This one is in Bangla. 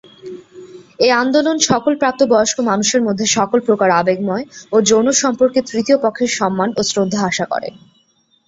এই আন্দোলন সকল প্রাপ্ত বয়স্ক মানুষের মধ্যে সকল প্রকার আবেগময় ও যৌন সম্পর্কে তৃতীয় পক্ষের সম্মান ও শ্রদ্ধা আশা করে।